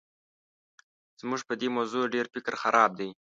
زموږ په دې موضوع ډېر فکر خراب دی.